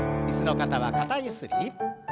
椅子の方は肩ゆすり。